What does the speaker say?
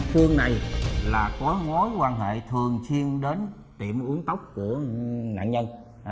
tên phương này là có mối quan hệ thường xuyên đến tiệm uống tóc của nạn nhân